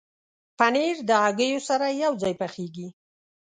پنېر د هګیو سره یوځای پخېږي.